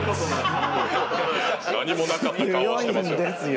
何もなかった顔はしてますよ。